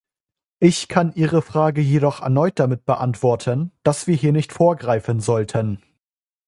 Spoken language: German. Ich kann ihre Frage jedoch erneut damit beantworten, dass wir hier nicht vorgreifen sollten.